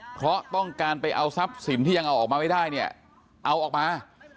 เพราะต้องการไปเอาทรัพย์สินที่ยังเอาออกมาไม่ได้เนี่ยเอาออกมา